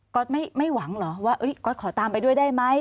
๊ตไม่หวังเหรอว่าก๊อตขอตามไปด้วยได้ไหม